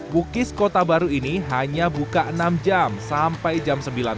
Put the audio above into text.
bukis kota baru ini hanya buka enam jam sampai jam sembilan belas